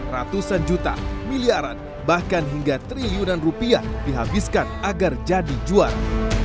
ratusan juta miliaran bahkan hingga triliunan rupiah dihabiskan agar jadi juara